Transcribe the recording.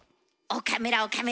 岡村岡村。